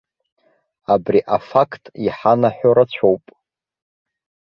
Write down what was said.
Абри афақт иҳанаҳәо рацәоуп.